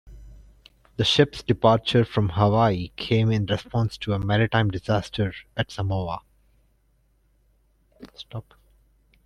The ship's departure from Hawaii came in response to a maritime disaster at Samoa.